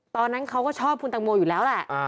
ตอนนั้นเขาก็ชอบคุณตังโมอยู่แล้วแหละ